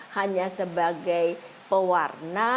hanya sebagai pewarna